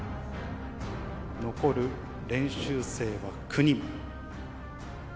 残る練習生は９人。